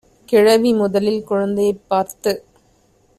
கிழவி முதலில் குழந்தையைப் பார்த்து